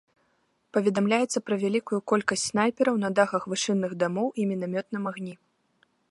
Паведамляецца пра вялікую колькасць снайпераў на дахах вышынных дамоў і мінамётным агні.